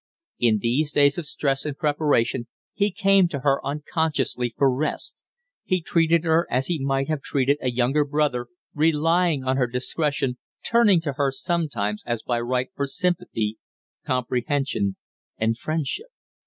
In these days of stress and preparation he came to her unconsciously for rest; he treated her as he might have treated a younger brother relying on her discretion, turning to her as by right for sympathy, comprehension, and friendship.